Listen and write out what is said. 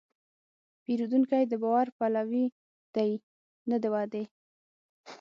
پیرودونکی د باور پلوي دی، نه د وعدې.